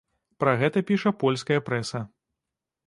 Пра гэта піша польская прэса.